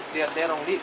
dia serong di